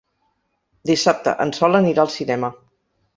Dissabte en Sol anirà al cinema.